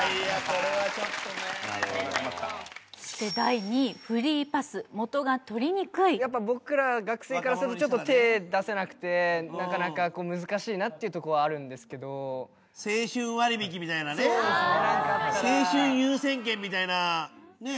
そして第２位やっぱ僕ら学生からするとちょっと手出せなくてなかなか難しいなってとこはあるんですけど青春割引みたいなねそうなんですよなんかあったら青春優先券みたいなね？